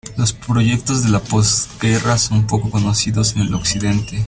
Los proyectos de las postguerra son poco conocidos en occidente.